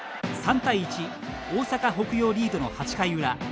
３対１大阪・北陽リードの８回裏。